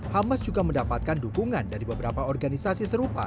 hamas juga mendapatkan dukungan dari beberapa organisasi serupa